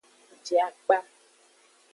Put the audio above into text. Je akpa.